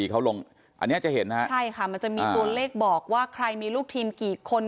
อันนี้จะเห็นนะฮะใช่ค่ะมันจะมีตัวเลขบอกว่าใครมีลูกทีมกี่คน